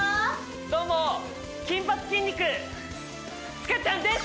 どうも金髪筋肉塚ちゃんです！